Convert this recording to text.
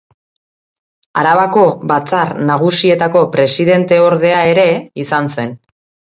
Arabako Batzar Nagusietako presidenteordea ere izan zen.